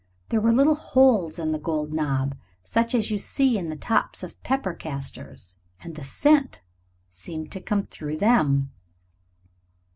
There were little holes in the gold knob, such as you see in the tops of pepper castors, and the scent seemed to come through them.